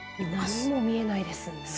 何も見えないですね。